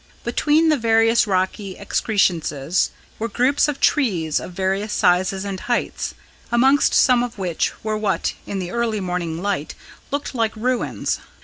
Between the various rocky excrescences were groups of trees of various sizes and heights, amongst some of which were what, in the early morning light, looked like ruins.